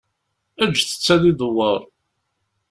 Ǧǧet-tt ad idewwer.